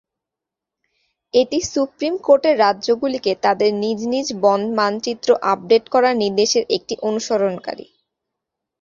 এটি সুপ্রীম কোর্টের রাজ্যগুলিকে তাদের নিজ নিজ বন মানচিত্র আপডেট করার নির্দেশের একটি অনুসরণকারী।